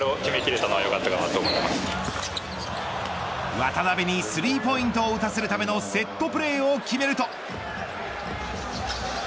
渡邊にスリーポイントを打たせるためのセットプレーを決めると。